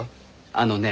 あのね